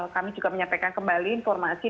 kami juga menyampaikan kembali informasi